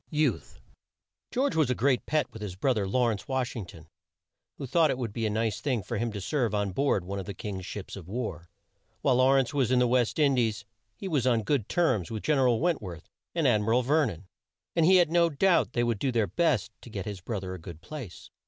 YOUTH. George was a great pet with his bro ther, Law rence Wash ing ton, who thought it would be a nice thing for him to serve on board one of the King's ships of war. While Law rence was in the West In dies he was on good terms with Gen er al Went worth and Ad mi ral Ver non, and he had no doubt they would do their best to get his bro ther a good place.